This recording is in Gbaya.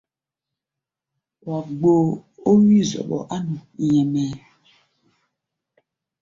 Wa gboo ó wí-zɔɓɔ á nu nyɛmɛɛ.